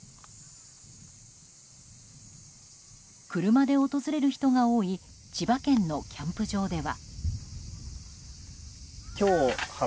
車で訪れる人が多い千葉県のキャンプ場では。